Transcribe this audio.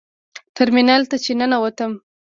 ټرمینل ته چې ننوتم.